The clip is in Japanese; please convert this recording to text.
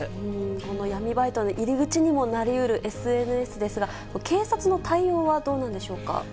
この闇バイトの入り口にもなりうるＳＮＳですが、警察の対応はどうなんでしょうか。